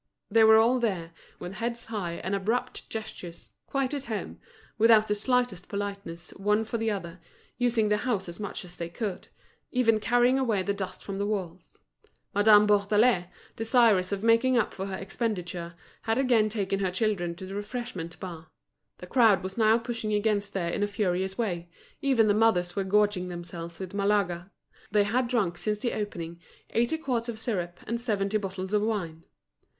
They were all there, with heads high and abrupt gestures, quite at home, without the slightest politeness one for the other, using the house as much as they could, even carrying away the dust from the walls. Madame Bourdelais, desirous of making up for her expenditure, had again taken her children to the refreshment bar; the crowd was now pushing about there in a furious way, even the mothers were gorging themselves with Malaga; they had drunk since the opening eighty quarts of syrup and seventy bottles of wine.